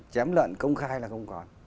chém lợn công khai là không còn